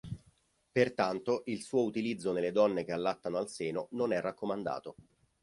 Pertanto il suo utilizzo nelle donne che allattano al seno non è raccomandato.